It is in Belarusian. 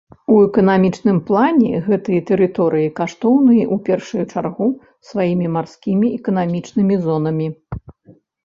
У эканамічным плане гэтыя тэрыторыі каштоўныя ў першую чаргу сваімі марскімі эканамічнымі зонамі.